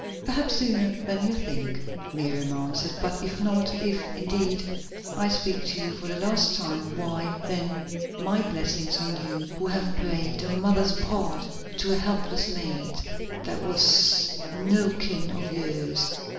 "Perhaps sooner than you think," Miriam answered. "But if not, if, indeed, I speak to you for the last time, why, then, my blessings on you who have played a mother's part to a helpless maid that was no kin of yours.